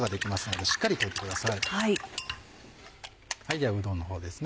ではうどんのほうですね。